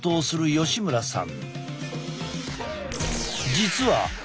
吉村さん